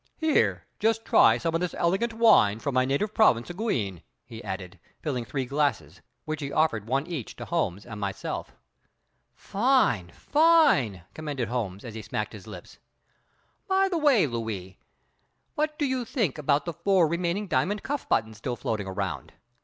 "Here, just try some of this elegant wine from my native province of Guienne," he added, filling three glasses, which he offered one each to Holmes and myself. "Fine, fine!" commended Holmes, as he smacked his lips. "By the way, Louis, what do you think about the four remaining diamond cuff buttons still floating around?